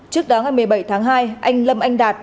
trước đó ngày một mươi bảy tháng hai anh lâm anh đạt